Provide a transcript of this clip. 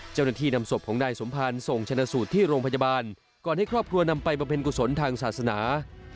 เจ้าหน้าที่นำศพของนายสมพันธ์ส่งชนะสูตรที่โรงพยาบาลก่อนให้ครอบครัวนำไปบำเพ็ญกุศลทางศาสนา